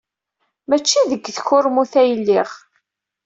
Maci deg tkurmut ay lliɣ.